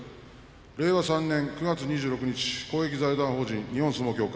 令和３年９月２６日公益財団法人日本相撲協会